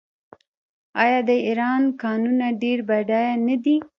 آیا د ایران کانونه ډیر بډایه نه دي؟